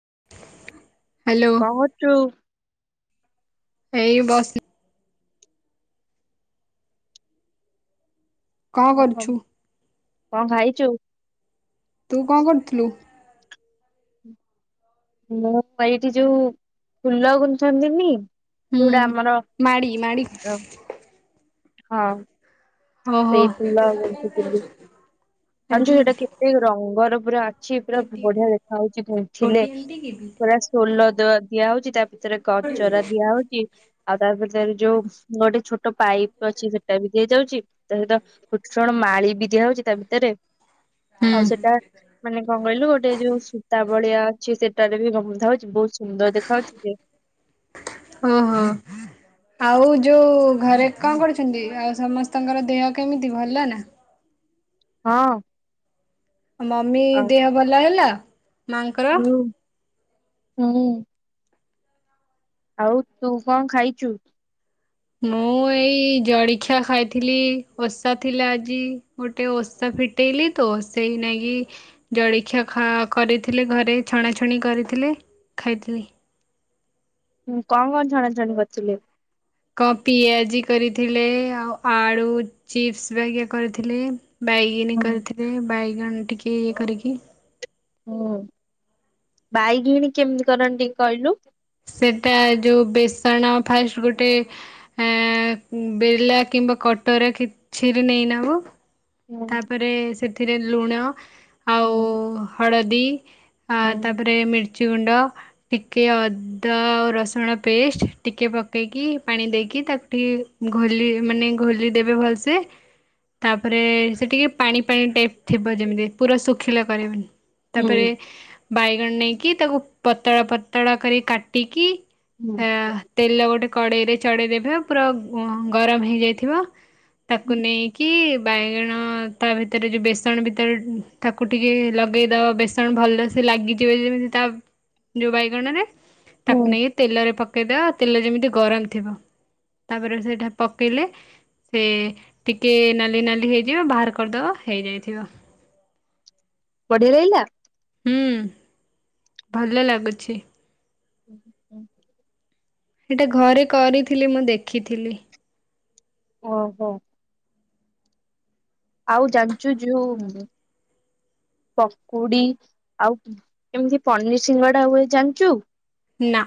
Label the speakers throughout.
Speaker 1: [inaudible]
Speaker 2: କଣଛୁ
Speaker 1: ଏଇ ବସ କା
Speaker 2: ଓହୋ
Speaker 1: କରଛୁ।
Speaker 2: କଣ ଖାଇଛୁ?
Speaker 1: ତୁ କଣ କରୁଥିଲୁ?
Speaker 2: ମୁଁ ଏଇଠି ଯୋଉ ଫୁଲ ଗୁନୁଛନ୍ତିନି
Speaker 1: ହୁଁ
Speaker 2: ଯଉଟା ଆମର
Speaker 1: ମାଡ଼ି ମାଡ଼ି
Speaker 2: ହଁ।
Speaker 1: ଓହୋ
Speaker 2: ସେଇଫଲି
Speaker 1: ଆଣ୍ଟି
Speaker 2: ଜଣିଛୁ
Speaker 1: କି
Speaker 2: ସେଇଟା
Speaker 1: ବେଟି
Speaker 2: କେତେ ରଙ୍ଗର ପୁରା ଅଛି ପୁରା
Speaker 1: ଆଣ୍ଟି କି
Speaker 2: ବଢିଆ
Speaker 1: ବେଟି
Speaker 2: ଦେଖା ହଉଛି ପଥିଲେ
Speaker 1: ଛୋଟି ଆଣ୍ଟି କି ବେଟି
Speaker 2: ପୁରା ୋଲ ଦିଆ ହଉଛି ତା ଭିତରେ ଗଚରା ଦିଆ ହଉଛି। ଆଉ ତାପରେ ତାର ଯୋଉ ଗୋଟେ ଛୋଟ ଗୋଟ ପାଇପ୍ ଅଛି ସେଟା ବି ଦିଆଯାଉଛି ତା ସହିତଣ ମାଳି ବି ଦିଆଯାଉଛି ତା ଭିତରେ ଆଉ ସେଟା
Speaker 1: ହୁଁ
Speaker 2: ମାନେ କଣ କହିଲୁ ଗୋଟେ ଯୋଉ ସୂତା ବଳିଆ ଅଛି ସେଟାରେ ବିନ୍ଧା ହଉଛି ବହୁତ ସୁନ୍ଦର ଦେଖା ହଉଛି।
Speaker 1: ହ ହୋ। ଆଉ ଯୋଉ ଘରେ କଣ କରୁଛନ୍ତି ଆଉ ସମସ୍ତଙ୍କର ଦେହ କେମିତି ଭଲ ନା
Speaker 2: ହଁ।
Speaker 1: ମମି
Speaker 2: ଆଉ
Speaker 1: ଦେହ ଭଲ ହେଲା ମାଙ୍କର
Speaker 2: ହୁଁ ହୁଁ। ଆଉ ତୁ କଣ ଖାଇଛୁ?
Speaker 1: ମୁଁ ଏଇ ଜଳଖିଆ ଖାଇଥିଲି ଓଷା ଥିଲା ଆଜି ଗୋଟେ ଓଷା ଫିଟେଇଲି ତ ସେଇ ନାଗି ଜଳଖିଆ ଖ କରିଥିଲେ ଘରେ ଛଣଛଣି କରିଥିଲେ। ଖାଇଦେଇ
Speaker 2: ଁ କଣ କଣ ଛଣା ଛଣି କରିଥିଲି।
Speaker 1: କଣ ପିଆଜି କରିଥିଲେ ଆଉ ଆଳୁ ଚିପ୍ସ ବା କରିଥିଲେ। ବାଇଗଣୀ
Speaker 2: ହୁଁ
Speaker 1: କରିଥିଲେ ବାଇଗଣ ଟିକେ ଇଏ କରିକି
Speaker 2: ହୁଁ ବାଇଗିଣୀ କେମିତି କରନ୍ତି କହିଲୁ?
Speaker 1: ସେଟା ଯୋଉ ବେସଣ ଫାଷ୍ଟ ଗୋଟେ ବଲା କି କିମ୍ବା କଟର କିଛିରେ ନେଇ ନବୁ
Speaker 2: ହୁଁ
Speaker 1: ତାପରେ ସେଥିରେ ଲୁଣ ଆଉ
Speaker 2: ହଁ।
Speaker 1: ହଳଦୀ ତାପରେ ମିର୍ଚ କଚ ଗୁଣ୍ଡ ଟିକେ ଅଦା ଆଉ ରସୁଣ ପେଷ୍ଟ ଟିକେ ପକେଇକି ପାଣି ଦେଇକି କି ତାକୁ ଟିକେ ଘଲି ମାନେ ଘୋଲି ଦେବେ ଭଲସେ ତାପରେ ସେ ଟିକେ ପାଣି ପାାଣି ଟାଇପ୍ ଥିବ ଯେମିତି ପୁରା ଶୁଖିଲା କରିବନି ତାପରେ ବାଇଗଣ ନେଇକି ତାକୁ ପତଳା ପତଳା କରି କାଟିକି
Speaker 2: ହୁଁ
Speaker 1: ସେ ତେଲ ଗୋଟେ କଡ଼େଇରେ ପ ବ ତା ଭିତରେ ଯୋଉ ବେସନ ଭିତରେ ତାକୁ ଟିକେ ଲଗେଇ ଦବା ବେସନ ଭଲ ସେ ଲାଗିଯିବ। ବଣ
Speaker 2: ହୁଁ
Speaker 1: ନେଇ କହିଦେଅ ତେଲ ଯେମିତି ଗରମ ଥିବ ତାପରେ ସେଟା ପକେଇଲେ ସେ ଟିକେ ନାଲି ନାଲି ହେଇ ଯବେ ବାହାର କରିଦବା ହେଇଯାଇଥିବ
Speaker 2: ବଢିଆ ରହିଲା
Speaker 1: ହୁଁ ଭଲ ଲାଗୁଛି।
Speaker 2: ହ ହୁଁ।
Speaker 1: ସେଇଟା ଘରେ କରିଥିଲି ମୁଁ ଦେଖିଥିଲି।
Speaker 2: ଓହୋ। ଆଉ ଜାଣିଛୁ ଯିଉ ପକୁଡି ଆଉ କେମିତି ପନିର ସିଙ୍ଗଡା ହୁଏ ଜାଣିଛୁ?
Speaker 1: ନା।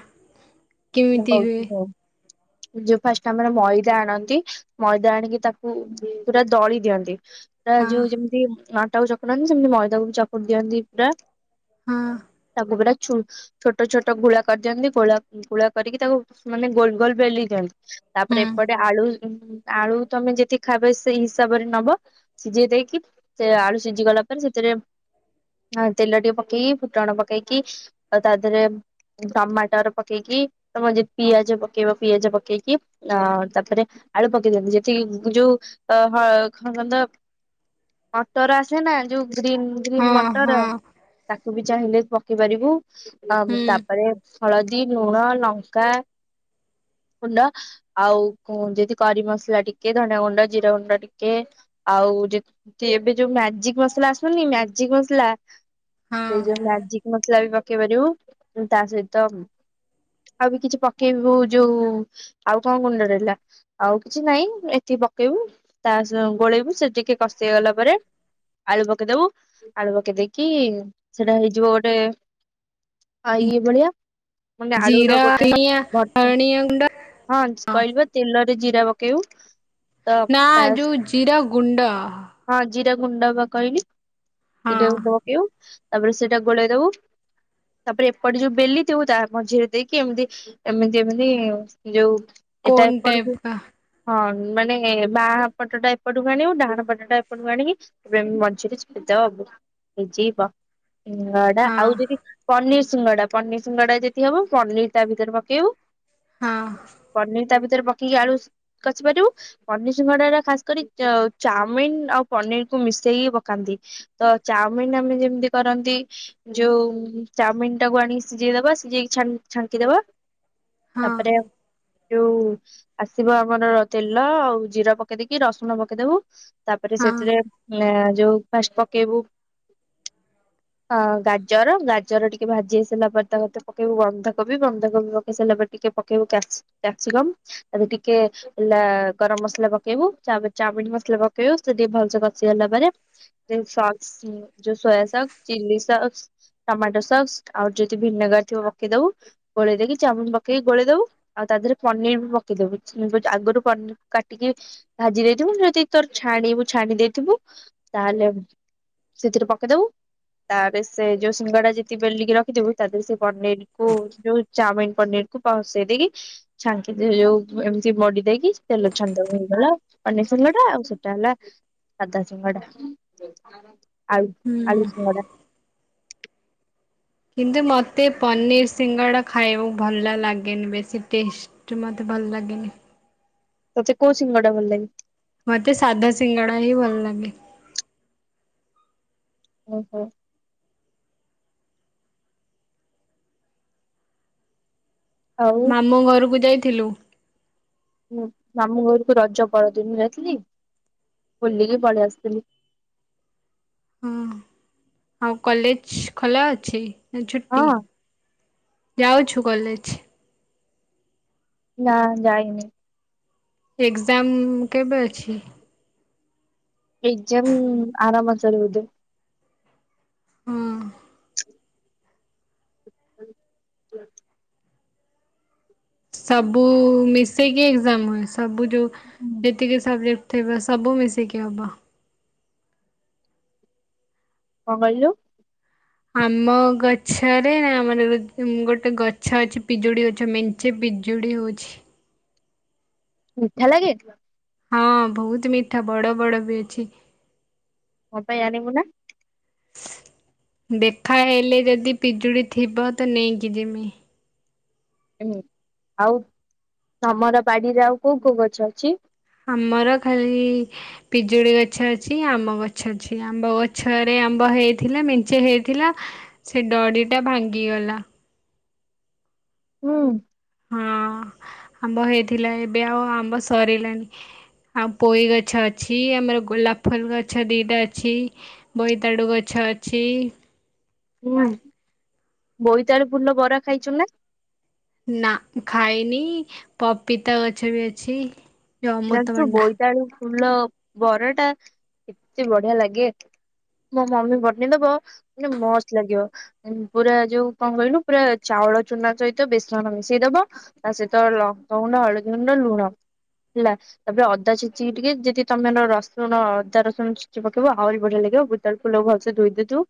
Speaker 2: ମୁଁ କହୁଛି କଉ
Speaker 1: ହ
Speaker 2: ଯୋଉ ଫାଷ୍ଟ ଆମର ମଇଦା ଆଣନ୍ତି ମଇଦା ଆଣିକି ତାକୁ ପୁରା ଦଳି ଦିଅନ୍ତି। ତା
Speaker 1: ହଁ
Speaker 2: ଯୋଉ ଯେମିତି ଅଟା କ ଚକୁନ୍ତି ସେମିତି ମଇଦାକୁ ବି ଚକଟ ଦିଅନ୍ତି ପୁରା
Speaker 1: ହଁ
Speaker 2: ତାକୁ ପୁରା ଛୋଟ ଛୋଟ ଗୋଳା କରିଦିଅନ୍ତି ଗୋଳା ଗୋଳା କରିକି ତାକୁ ମାନେ ଗୋଲ ଗୋଲ ବେଲି ଦିଅନ୍ତି ତାପରେ
Speaker 1: ହୁଁ
Speaker 2: ଏପଟେ ଆଳୁ ଆଳୁ ତମେ ଯେତିି ଖାଇବେ ସେଇ ହିସାବରେ ନବ ସିଝେଇ ଦେଇକି ସେ ଆଳୁ ସିଝିଗଲା ତାପରେ ସେଥିରେ ତେଲ ଟିକେ ପକେଇକି ଫୁଟଣ ପକେଇକି ଆ ତା ଦେହରେ ଟମାଟର ପକେଇକି ତମ ପିଆଜ ପକେଇବ ପିଆଜ ପକେଇକି ଆ ତାପରେ ଆଳୁ ପକେଇ ଦିଅନ୍ତି ଯେତିକି ଯୋଉ ଅ ହଁ କଣ କତା ଅଟର ଆସେ ନା ଯୋଉ ଗ୍ରୀନ୍ ଗ୍ରୀନ୍
Speaker 1: ହଁ ହଁ
Speaker 2: ମଟର ତାକୁ ବି ଚାହିଁଲେ ପକେଇ ପାରିବୁ। ଆ
Speaker 1: ହୁଁ
Speaker 2: ତାପରେ ହଳଦୀ ଲୁଣ ଲଙ୍କା ଗୁଣ୍ଡ ଆଉ ଯଦି କରି ମସଲା ଟିକେ ଧନିଆ ଗୁଣ୍ଡ ଜିରା ଗୁଣ୍ଡ ଟିକେ ଆଉ ଏବେ ଯୋଉ ମ୍ୟାଜିକ ମସଲା ଆସୁନନି ମ୍ୟାଜିକ ମସଲା ସେଇ
Speaker 1: ହଁ
Speaker 2: ଯୋଉ ମଜିକ ମସଲା ବି ପକେଇ ପାରିବ ତା ସହିତ ଆଉ ବି କିଛି ପକେଇବୁ ଯୋଉ ଆଉ କଣ ଗୁଣ୍ଡ ରହିଲା ଆଉ କିଛି ନାଇଁ ଏତିକି ପକେଇବୁ ତା ଗୋଳେଇବୁ ସେ ଟିକେ କଷ ହେ ଗଲା ପରେ ଆଳୁ ପକେଇଦବୁ ଆଳୁ ପକେଇ ଦେଇକି ସେଟା ହେଇଯିବ ଗୋଟେ ଆ ଇଏ ଭଳିଆ ମାନେ ଆଳୁର
Speaker 1: ଜିରା
Speaker 2: ର ଗୋଟେ
Speaker 1: ଧନିଆ
Speaker 2: ଭର୍ତ୍
Speaker 1: ଧନିଆ ଗୁଣ୍ଡ
Speaker 2: ହଁ କହିଲ ତେଲରେ ଜିରା ପକେଇବୁ ତ
Speaker 1: ନା
Speaker 2: ତା
Speaker 1: ଯେଉ ଜିରା ଗୁଣ୍ଡ
Speaker 2: ହଁ ଜିରା ଗୁଣ୍ଡ ବା କହିଲି
Speaker 1: ହଁ
Speaker 2: ଜିରା ଗୁଣ୍ଡ ପକେଇବ ତାପରେ ସେଇଟା ଗୋଳେଇ ଦବୁ ତାପରେ ଏପଟେ ଯୋଉ ବେଲି ଦିବୁ ତା ମଝିରେ ଦେଇକି ଏମିତି ଏମିତି ଏମତି ଯୋଉ ଏଟା
Speaker 1: କୋନ୍ ଟାଇପ
Speaker 2: ଏପଟକୁ
Speaker 1: କା
Speaker 2: ହଁ ମାନେ ବାହା ପଟା ଏପଟକୁ ଆଣିବୁ ଡାହାଣ ପଟା ଏପଟକୁ ଆଣିକି ମଝିରେ ଦ ହବୁ ଯୀ ବା ଉଙ୍ଗଡା
Speaker 1: ହଁ
Speaker 2: ଆଉ ଯଦି ପନିର ଶିଙ୍ଗଡା ପନିର ଶିଙ୍ଗଡା ଯଦି ହବ ପନିର ତା ଭିତରେ ପକେଇବୁ
Speaker 1: ହଁ
Speaker 2: ପନିର ତା ଭିତରେ ରେ ପକେଇକି ଆଳୁ କରିି ପାରିବୁ ପନିର ସିଙ୍ଗଡା ଖାସ କରି ଚାଉମିନ ଆଉ ପନିର ମିସେଇକି ପକାନ୍ତି ତ ଚଉମିନ୍ ଆମେ ଯେମିତି କରନ୍ତି ଯୋଉ ଚଉମିନ୍ କୁ ାକୁ ଆଣିକି ସିଝେଇଦବା ସିଝେଇକି ଛାଙ୍କିଦବା
Speaker 1: ହଁ
Speaker 2: ତାପରେ ଯୋଉ ଆସିବ ଆମର ତେଲ ଆଉ ଜିରା ପକେଇଦକି ରସୁଣ ପକେଇଦବୁ। ତାପରେ
Speaker 1: ହଁ
Speaker 2: ସେଥିରେ ଯୋଉ ଫାଷ୍ଟ ପକେଇବୁ ହଁ ଗାଜର ଗାଜର ଟିକେ ଭାଜି ହେଇସାରିଲା ପରେ ତାକୁ ପକେଇବୁ ବନ୍ଦ କୋବି ବନ୍ଧାକୋବି ପକେଇ ସାରିଲା ପରେ ଟିକେ ପକେଇବୁ୍ୟାପସମ ତା ଟିକେଲା ଗର ମସଲା ପକେଇବୁ ଚାଉମିନ ମସଲା ପକେଇବୁ ସେ ଟିକେ ଭଲସ କଷିଗଲା ପରେ ଯୋଉ ସୋୟା ସକ୍ ଚି ସକ୍ ଟମାଟୋ ସସ୍ ଆଉ ଯଦି ଭିନେଗର ଥିବ ପକେଇଦବୁ। ଗୋଳେଇ ଦେଇକି ଚାଉାମିନ ପକେଇକି ଗୋଳେଇ ଦବୁ ଆଉ ତା ଦେହରେ ପନିର ବି ପକେଇ ଦବୁ ଆଗରୁ ପନିର କାଟିକି ଭାଜି ଦେଇଥିବୁ ଯଦି ତୋର ଛାଣିବୁ ଛାଣି ଦେଇଥିବୁ ତାହେଲେ ସେଥିରେ ପକେଇଦବୁ। ତାପରେ ସେ ଯୋ ସିଙ୍ଗଡା ଯେତିକି ବେଲିକି ରଖିଥିବୁ ତା ଦେହରେ ସେ ପନିର କୁ ଯୋଉ ଚାଉମିନ ପନିର କୁ ପହସେଇ ଦେଇକି ଛାଙ୍କି ଯୋଉ ଏମିତି ମଡି ଦେଇକି ତେଲ ଛାନିଦେବୁ। ପାନି ସିଙ୍ଗଡ଼ା ଆଉ ସେଟା ହେଲା ସାଧା ସିଙ୍ଗଡ଼ା। ଆଉ
Speaker 1: ହୁଁ
Speaker 2: ଆଳୁ ସିଙ୍ଗଡ଼ା।
Speaker 1: କିନ୍ତୁ ମତେ ପନିର ସିଙ୍ଗଡ଼ା ଖାଇବାକୁ ଭଲ ଲାଗେନି ବେଶୀ ଟେଷ୍ଟ ମତେ ଭଲ ଲାଗେନି।
Speaker 2: ତତେ କଉ ସିଙ୍ଗଡ଼ା ଭଲ ଲାଗେ?
Speaker 1: ମତେ ସାଧା ସିଙ୍ଗଡା ହିଁ ଭଲ ଲାଗେ।
Speaker 2: ଓ ହୋ। ଆଉ
Speaker 1: ମାମଁ ଘରକୁ ଯାଇଥିଲୁ?
Speaker 2: ମୁଁ ମାମୁଁ ଘରକୁ ରଜ ପରଦିନ ଯାଇଥିଲି। ବୁଲିକି ପଳେଇ ଆସଥିଲି।
Speaker 1: ହଁ। ଆଉ କଲେଜ ଖୋଲା ଅଛି ନା
Speaker 2: ହଁ
Speaker 1: ଛୁଟି। ଯାଉଛୁ? କଲେଜ୍।
Speaker 2: ନା ଯାଇନି।
Speaker 1: ଏଗ୍ଜାମ୍ କେବେ ଅଛି?
Speaker 2: ଏଗ୍ ଜାମ୍ ଆର ମାସରେ ବୋଧେ।
Speaker 1: ହଁ।
Speaker 2: [inaudible]
Speaker 1: ସବୁ ମିଶିକି ହ ଏକ୍ଜାମ ହୁଏ। ସବୁ ଯୋଉ ଯେତିକି ସବଜେକ୍ଟ ତେବେ ସବୁ ମିଶିକି ହବ।
Speaker 2: ଙ୍କ କହିଲେ?
Speaker 1: ଆମ ଗଛରେ ନା ଆମ ଗୋଟେ ଗଛ ଅଛି ପିଜୁଳି ଗଛ ମେଞ୍ଚେି ପି ଜୁଡ଼ି ହଉଛି।
Speaker 2: ମିଠା ଲାଗେ?
Speaker 1: ହଁ ବହୁତ ମିଠା। ବଡ଼ ବଡ଼ ବି ଅଛି।
Speaker 2: ମୋ ପାଇଁ ଆଣିବୁ ନା?
Speaker 1: ଦେଖା ହେଲେ ଯଦି ପିଜୁଳି ଥିବ ତ ନେଇକି ଜିମି।
Speaker 2: ହଁ ଆଉ ତମର ବାଡିରେ ଆଉ କୋଉ କୋଉ ଗଛ ଅଛି?
Speaker 1: ଆମର ଖାଲି ପିଜୁଳି ଗଛ ଅଛି ଆମ୍ବ ଗଛ ଅଛି ଆମ୍ବ ଗଛରେ ଆମ୍ବ ହେଇଥିଲା ମେଞ୍ଚେ ହେଇଥିଲା ସେ ଡଡି ଟା ଭାଙ୍ଗିଗଲା।
Speaker 2: ହୁଁ।
Speaker 1: ହଁ ଆମ୍ବ ହେଇଥିଲା ଏବେ ଆଉ ଆମ୍ବ ସରିଲାନି। ଆଉ ପୋଇ ଗଛ ଅଛି ଆମର ଗୋଲାପ ଫୁଲ ଗଛ ଦିଟା ଅଛି ବୋଇତାଡୁ ଗଛ ଅଛି।
Speaker 2: ହୁଁ ବୋଇତାଳୁ ଫୁଲ ବରା ଖାଇଛୁ ନା?
Speaker 1: ନା ଖାଇନି। ପପିତା ଗଛ ବି ଅଛି। ଯୋଉ
Speaker 2: ଜାଣିଛୁ
Speaker 1: ଅମୃତଭଣ୍ଡା
Speaker 2: ବୋଇତାଳୁ ଫୁଲ ବରା ଟା ଏତେ ବଢିଆ ଲାଗେ। ମୋ ମମି ବନେଇଦବ ମାନେ ମସ୍ତ ଲାଗିବ ପୁରା ଯୋଉ କଣ କହିଲୁ ପୁରା ହଳ ଚୁନା ସହିତ ବେସନ ମିଶେଇ ଦବ ତା ସହିତ ଲଙ୍କା ଗୁଣ୍ଡ, ହଳଦୀ ଗୁଣ୍ଡ, ଲୁଣ। ହେଲା ତପରେ ଅଦା ଛେଚିକି ଟିକେ ଯଦି ତମେ ରସୁଣ ଅଦା ରସୁଣ ଛେଚି ପକେଇବ ଆହୁରି ବଢିଆ ଲାଗିବ। ତୋ ବୋଇତାଳୁ ଫୁଲକୁ ଭଲସେ ଧୋଇ ଦେଇଥିବୁ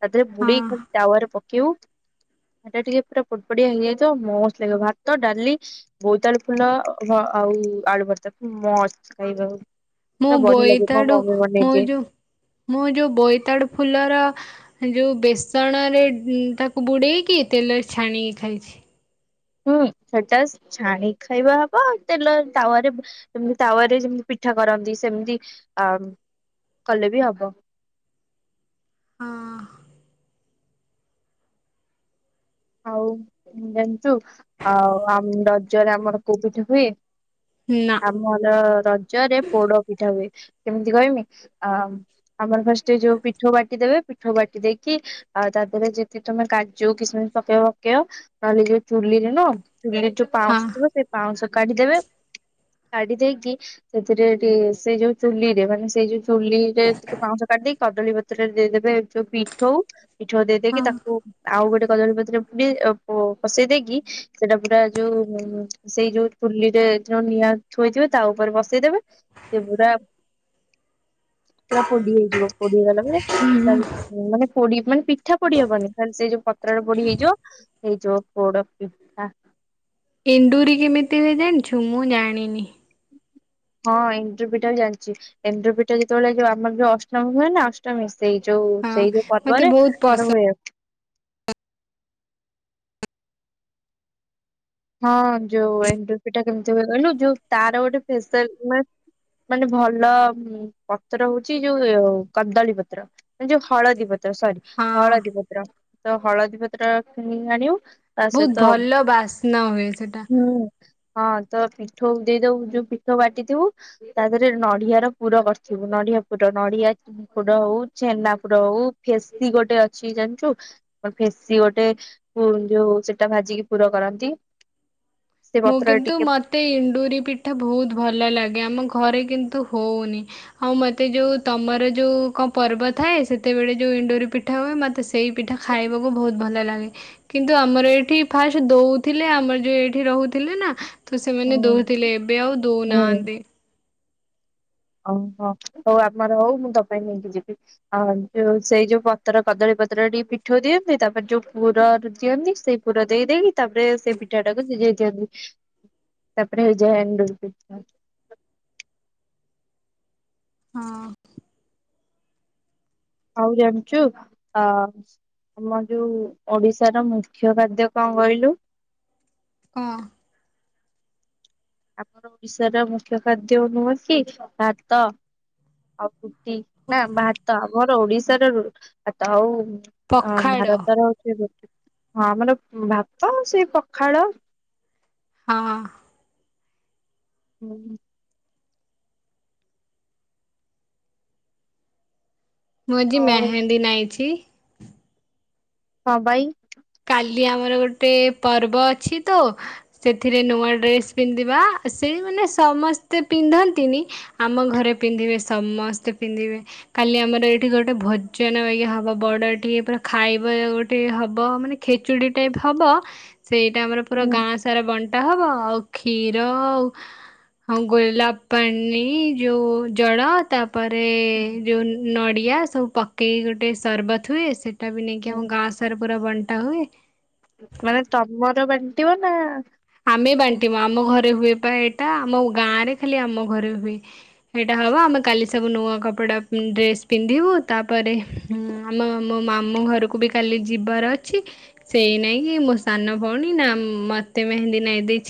Speaker 2: ତାଧେରେ
Speaker 1: ହଁ
Speaker 2: ବୁଡେଇ ଖାଲି ତାୱା ରେ ପକେଇବୁ। ସେଟା ଟିକେ ପୁରା ପୋଡପୋଡିଆ ହେଇଯାଇଥିବ ମସ୍ତ୍ ଲାଗିବ। ଭାତ ଡାଲି ବୋଇତାଳୁ ଫୁଲ ଅ ଭ ଆଉ ଆଳୁ ଭର୍ତାକୁ ମସ୍ତ ଖାଇବା ଆଉ।
Speaker 1: ମୁଁ ବୋଇତାଡୁ ମୋ ଯୋଉ ମୋ ଯୋଉ ବୋଇତାଡୁ ଫୁଲର ଯୋଉ ବେସଣରେ ତାକୁ ବୁଡ଼େଇକି ତେଲରେ ଛାଣିକି ଖାଇଛି।
Speaker 2: ହୁଁ ସେଟାସ୍ ଛାଣିକ୍ ଖାଇବା ହବ ତେଲ ତାୱାରେ ବ ତାୱରେ ଯେମିତି ପି ପିଠା କରନ୍ତି ସେମତି ଅ କଲେ ବି ହବ।
Speaker 1: ହଁ ଅ।
Speaker 2: ଆଉ ଜାଣିଚୁ ଆଉ ଆମ ରଜରେ ଆମର କୋଉ ପିଠା ହୁଏ।
Speaker 1: ନା
Speaker 2: ଆମର ରଜରେ ପୋଡ ପିଠା ହୁଏ। କେମିତି କହିମି? ଆ ଆମର ଫାଷ୍ଟେ ଯୋଉ ପିଠୋଉ ବାଟି ଦେବେ ପିଠୋଉ ବାଟି ଦେଇକି ଆଉ ତା ଦେହରେ ଯେତି ତମେ କାଜୁ କିସମି ପକେଇବ ପକେଇବ ନହେଲେ ଯୋଉ ଚୁଲି ରେ ନୁହଁ ଚୁଲିରେ ଯୋଉ
Speaker 1: ହଁ
Speaker 2: ପାଉଁଶ ଥିବ ସେଇ ପାଉଁଶ କାଢିଦେବେ। କାଢି ଦେଇକି ସେଥିରେ ଟିକେ ସେଇ ଯୋଉ ଚୁଲିରେ ମାନେ ସେଇ ଯୋଉ ଚୁଲିରେ ଟିକେ ପାଉଁଶ କାଢିଦେଇ କଦଳୀପତ୍ରରେ ଦେଇଦେବେ ଯୋଉ ପିଠଉ। ପିଠଉ ଦେଇ ଦେଇକି
Speaker 1: ହଁ
Speaker 2: ତାକୁ ଆଉ ଗୋଟେ କଦଳୀ ପତ୍ରରେ ପୁରେଇ ଅ ପ ପସେଇ ଦେଇକି ସେଟା ପୁରା ଯୋଉ ସେଇ ଯୋଉ ଚୁଲିରେ ଯୋଉ ନିଆଁ ଥୋଇଥିବେ ତା ଉପରେ ବସେଇଦେବେ ସେ ପୁରା ହ
Speaker 1: [inaudible]
Speaker 2: ପୁରା ପୋଡି ହେଇଯିବ। ପୋଡି ହେଇଗଲା ପରେ ତା ଭି ମାନେ ପୋଡି ମାନେ ପିଠା ପୋଡି ହବନି ଖାଲି ସେ ଯୋଉ ପତ୍ରର ପୋଡି ହେଇ ଯିବ। ହେଇ ଯୋ ପୋଡ ପିଠା।
Speaker 1: ଏଣ୍ଡୁରି କେମିତି ହୁଏ ଜାଣିଛୁ? ମୁଁ ଜାଣିନି?
Speaker 2: ହଁ ଏଣ୍ଡ୍ରୁ ପିଠା ବି ଜାଣିଚି। ଏଣ୍ଡ୍ରୁପିଠା ଯେତବେଳେ ଯୋଉ ଆମର ଯୋଉ ଅଷ୍ଟମୀ ହୁଏ ନା ଅଷ୍ଟମୀ ସେଇ ଯୋଉ
Speaker 1: ହଁ
Speaker 2: ସେଇ ଯୋଉ
Speaker 1: ମତେ
Speaker 2: ପର୍ବରେ
Speaker 1: ବହୁତ
Speaker 2: [unintelligible]
Speaker 1: ପସନ୍ଦ
Speaker 2: ହୁଏ। ହଁ ଯୋଉ ଏଣ୍ଡୁରି ପିଠା କେମତି ହୁଏ କହିଲୁ ଯୋଉ ତାର ଗୋଟେ ପେସାଲ୍। ମାନେ ଭଲ ପତ୍ର ହଉଚି ଯୋଉ କଦଳୀ ପତ୍ର ମାନେ ଯୋଉ ହଳଦୀ ପତ୍ର। ତ ସରି
Speaker 1: ହଁ
Speaker 2: ହଳଦୀ ପତ୍ର ତ ହଳଦୀ ପତ୍ର କିଣି ଆଣିବୁ ତା
Speaker 1: ବହୁତ
Speaker 2: ସହିତ
Speaker 1: ଭଲ ବାସ୍
Speaker 2: ହୁଁ ହଁ। ତ ପିଠଉ ଦେଇଦବୁ ଯୋଉ ପିଠଉ ବାଟିଥିବୁ। ତା ଦେହରେ ନଡିଆ ର ପୁର କରିଥିବୁ ନଡିଆ ପୁର। ନଡିଆ ଚିନି ପୁଡ ହଉ ଛେନା ପୁଡ ହଉ ଫେସି ଗୋଟେ ଅଛି ଜାଣିଚୁ। ଫେସି ସି ଗୋଟେ ପୁ ଯୋଉ ସେଟା ଭାଜିକି ପୁର କରନ୍ତି। ସେ
Speaker 1: ମୁଁ
Speaker 2: ପତ୍ରରେ
Speaker 1: କିନ୍ତୁ
Speaker 2: ଟିକେ
Speaker 1: ମତେ ଇଣ୍ଡୁରି ପିଠା ବହୁତ ଭଲ ଲାଗେ। ଆମ ଘ ଘରେ କିନ୍ତୁ ହଉନି ଆଉ ମତେ ଯୋଉ ତମର ଯୋଉ କଁ ପର୍ବ ଥାଏ ସେତେବେଳେ ଯୋଉ ଏଣ୍ଡୁରି ପିଠା ହୁଏ। ମତେ ସେଇ ପିଠା ଖାଇବାକୁ ବହୁତ ଭଲ ଲାଗେ। କିନ୍ତୁ ଆମର ଏଠି ଫାଷ୍ଟ ଦଉ ଥିଲେ ଆମର ଯୋଉ ଏଇଠି ରହୁଥିଲେ ନା ତ ସେମାନେ
Speaker 2: ହୁଁ
Speaker 1: ଦଉଥିଲେ। ଏବେ ଆଉ
Speaker 2: ହୁଁ
Speaker 1: ଦଉନାହାନ୍ତି।
Speaker 2: ଓହୋ। ହଉ ଆମର ହଉ ମୁଁ ତ ପାଇଁ ନେଇକି ଯିବି। ଆ ଯୋଉ ସେଇ ଯୋଉ ପତ୍ର କଦଳୀ ପତ୍ରରେ ଟିକେ ପିଠଉ ଦିଅନ୍ତି। ତାପରେ ଯୋଉ ପୁରରୁ ଦିଅନ୍ତି ସେ ପୁର ଦେଇ ଦେଇକି ତାପରେ ସେ ପିଠାଟାକୁ ଦେ ଦେଇଦିଅନ୍ତି। ତାପରେ ହେଇଯାଏ ଏଣ୍ଡୁରି ପିଠା।
Speaker 1: [inaudible] ହଁ ଅ।
Speaker 2: ଆଉ ଜାଣିଚୁ ଅ ଆମର ଯୋଉ ଓଡିଶାର ମୁଖ୍ୟ ଖାଦ୍ୟ କଣ କହିଲୁ?
Speaker 1: କଁ?
Speaker 2: ଆମର ଓଡିଶାର ମୁଖ୍ୟ ଖାଦ୍ୟ ନୁହଁ କି ଭାତ ଆଉ ରୁ ଟି ନା ଭାତ ଆମର ଓଡିଶାର ରୁଟ୍ ଭାତ ହଉ ଅ
Speaker 1: ପଖାଳ
Speaker 2: ଭାରତର ହଉଚି ରୁଟ୍ ହଁ ଆମର ଭାତ ସେ ପଖାଳ।
Speaker 1: ହଁ।
Speaker 2: ହୁଁ।
Speaker 1: ମୁଁ ଆଜି
Speaker 2: ଆଉ
Speaker 1: ମେହେନ୍ଦୀ ନାଇଛି।
Speaker 2: ହଁ ବା ଏଇ
Speaker 1: କାଲି ଆମର ଗୋଟେ ପର୍ବ ଅଛି ତ ସେଥିରେ ନୂଆ ଡ୍ରେସ ପିନ୍ଧିବା ଆ ସେଇମାନେ ସମସ୍ତେ ପିନ୍ଧନ୍ତିନି ଆମ ଘରେ ପିନ୍ଧିବେ ସମସ୍ତେ ପିନ୍ଧିବେ। କାଲି ଆମର ଏଇଠି ଗୋଟେ ଭୋଜନ ଇ ହବ ବଡ ଏଠି ପୁରା ଖାଇବା ଗୋଟେ ହବ ମାନେ ଖେଚୁଡି ଟାଇପ ହବ ସେଇଟା ଆମର ପୁରା
Speaker 2: ହୁଁ।
Speaker 1: ଗାଁ ସାରା ବଣ୍ଟ ବଣ୍ଟା ହବ ଆଉ କ୍ଷୀର ହଁ ଗୋଲାପ ପାଣି ଯୋଉ ଜଳ ତାପରେ ଯେଉଁ ନଡ଼ିଆ ସବୁ ପକେଇକି ଗୋଟେ ସରବତ ହୁଏ ସେ ସେଟା ବି ନେଇକି ଆମ
Speaker 2: ହୁଁ।
Speaker 1: ଗାଁ ସାର ପୁରା ବଣ୍ଟା ହୁଏ।
Speaker 2: ମାନେ ତମର ବାଣ୍ଟିବ ନା
Speaker 1: ଆମେ ବାଣ୍ଟିବା ଆମ ଘରେ ହୁଏ। ଏଇଟା ଆମ ଗାଁରେ ଖାଲି ଆମ ଘରେ ହୁଏ ଏଇଟା ହବ ଆମେ କାଲି ସବୁ ନୂଆ କପଡା ପି ଡ୍ରେସ୍ ପିନ୍ଧିବୁ ତାପରେ ଆମ ମୋ ମାମୁ ଘରକୁ ବି କାଲି ଯିବାର ଅଛି। ସେଇ ନାଇଁ କିି ମୋ ସାନ ଭଉଣୀ ନା ମତେ ମେହେନ୍ଦୀ ନାଇ ଦେଇଛି।